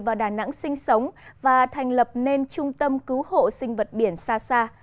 vào đà nẵng sinh sống và thành lập nền trung tâm cứu hộ sinh vật biển xa xa